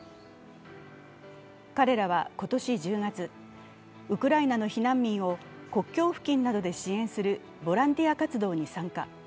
彼らは今年１０月、ウクライナの避難民を国境付近で支援するボランティア活動に参加。